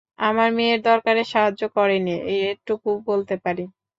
আমার মেয়ের দরকারে সাহায্য করেনি, এটুকু বলতে পারি।